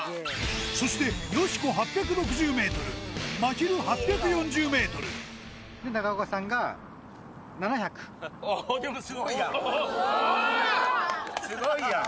そしてよしこ８６０ｍまひる８４０ｍあぁでもスゴいやん。